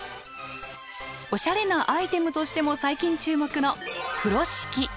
おしゃれなアイテムとしても最近注目の風呂敷。